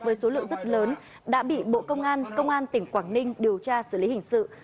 với số lượng rất lớn đã bị bộ công an công an tỉnh quảng ninh điều tra xử lý hình sự